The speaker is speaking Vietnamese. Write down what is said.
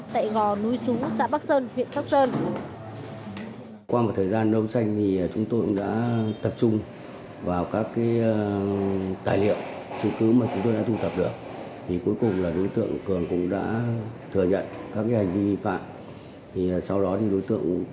tại gò núi xuống xã bắc sơn huyện sóc sơn